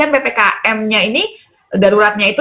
ppkm nya ini daruratnya itu